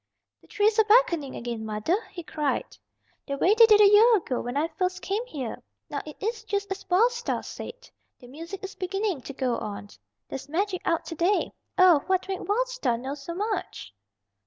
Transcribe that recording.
"The trees are beckoning again, mother," he cried. "The way they did a year ago when I first came here. Now it is just as Wild Star said. The music is beginning to go on. There's magic out to day. Oh, what made Wild Star know so much?"